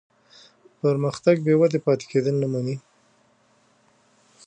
پرمختګ بېودې پاتې کېدل نه مني.